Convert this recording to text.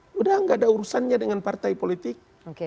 sudah tidak ada urusannya dengan partai politik